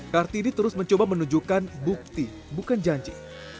kartini terus mencoba menunjukkan bukti bukan janji